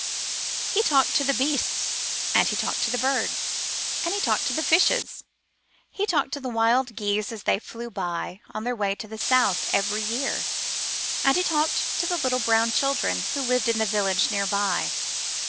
He talked to the beasts, and he talked to the birds, and he talked to the fishes. He talked to the wild geese as they flew by on their way to the south every year, and he talked to the little brown children who lived in the village near by.